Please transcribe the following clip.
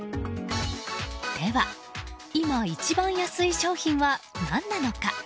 では、今一番安い商品は何なのか。